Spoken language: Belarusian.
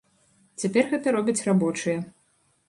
Цяпер гэта робяць рабочыя.